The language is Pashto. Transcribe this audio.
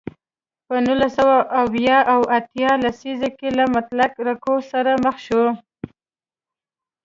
په نولس سوه اویا او اتیا لسیزو کې له مطلق رکود سره مخ شو.